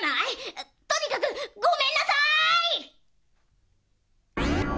とにかくごめんなさい！